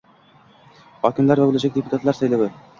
Hokimlar va bo‘lajak deputatlik saylovlari